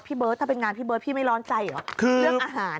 เบิร์ตถ้าเป็นงานพี่เบิร์ดพี่ไม่ร้อนใจเหรอคือเรื่องอาหาร